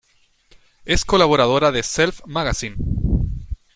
Es colaboradora de Self Magazine.